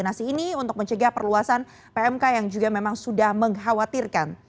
koordinasi ini untuk mencegah perluasan pmk yang juga memang sudah mengkhawatirkan